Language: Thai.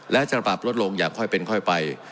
และจะปรับลดลงอย่างค่อยเป็นค่อยไป